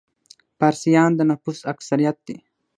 فارسیان د نفوس اکثریت دي.